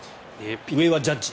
上はジャッジ。